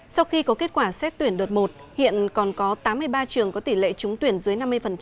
sau khi có kết quả xét tuyển đợt một hiện còn có tám mươi ba trường có tỷ lệ trúng tuyển dưới năm mươi